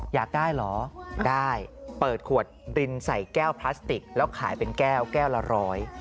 อยากได้เหรอได้เปิดขวดดินใส่แก้วพลาสติกแล้วขายเป็นแก้วแก้วละร้อย